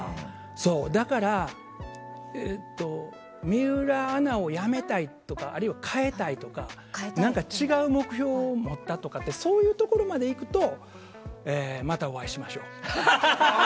だから、水卜アナをやめたいとかあるいは変えたいとか違う目標を持ったとかそういうところまで行ったらまたお会いしましょう。